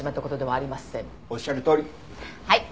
はい！